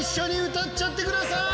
歌っちゃってください！